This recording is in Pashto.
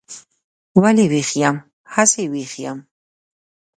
ولې ویښ یم؟ هسې ویښ یم.